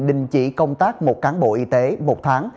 đình chỉ công tác một cán bộ y tế một tháng